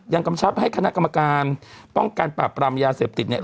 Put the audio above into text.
กำชับให้คณะกรรมการป้องกันปราบปรามยาเสพติดเนี่ย